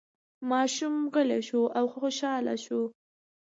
ماشوم غلی شو او خوشحاله شو.